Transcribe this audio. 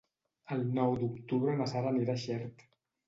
El nou d'octubre na Sara anirà a Xert.